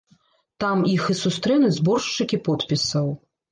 Там іх і сустрэнуць зборшчыкі подпісаў.